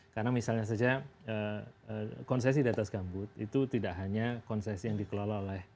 karena misalnya saja konsesi diatas gambut itu tidak hanya konsesi yang dikelola oleh